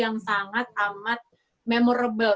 yang sangat amat memorable